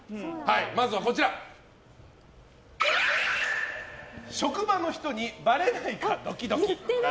まずは職場の人にばれないかドキドキ。